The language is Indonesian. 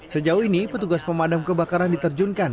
sejauh ini petugas pemadam kebakaran diterjunkan